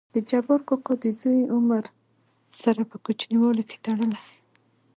دجبار کاکا دزوى عمر سره په کوچينوالي کې تړلى.